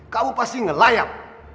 kamu pasti ngelayak